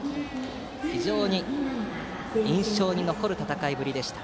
非常に印象に残る戦いぶりでした。